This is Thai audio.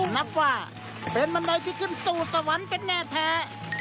นับว่าเป็นบันไดที่ขึ้นสู่สวรรค์เป็นแน่แท้